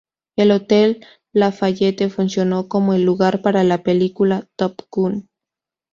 El Hotel Lafayette funcionó como el lugar para la película "Top Gun".